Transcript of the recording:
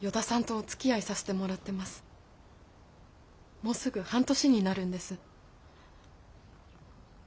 もうすぐ半年になるんです。